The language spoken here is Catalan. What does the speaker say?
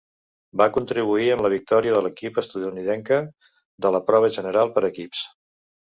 Va contribuir en la victòria de l'equip estatunidenca de la prova general per equips.